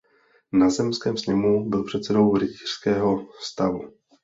Na zemském sněmu byl předsedou rytířského stavu.